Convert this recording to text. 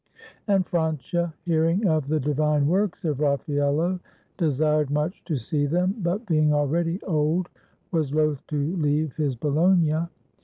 And Francia, hearing of the divine works of Raffaello, desired much to see them, but being already old was loath to leave his Bologna.